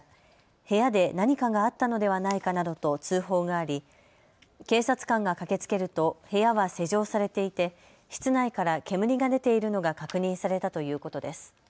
部屋で何かがあったのではないかなどと通報があり警察官が駆けつけると部屋は施錠されていて室内から煙が出ているのが確認されたということです。